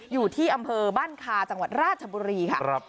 อยู่ที่อำเภอบ้านคาจังหวัดราชบุรีค่ะ